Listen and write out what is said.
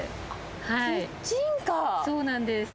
そうなんです。